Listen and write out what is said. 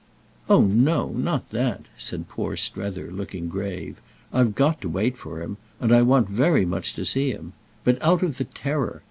"Oh no—not that," said poor Strether, looking grave. "I've got to wait for him—and I want very much to see him. But out of the terror.